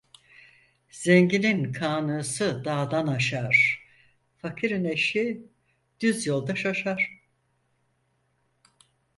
Zenginin kağnısı dağdan aşar, fakirin eşeği düz yolda şaşar.